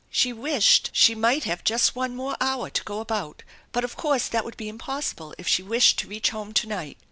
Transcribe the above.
She wished she might have just one more hour to go about, but of course that would be impossible if she wished to reach home to night.